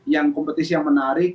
yang kompetisi yang menarik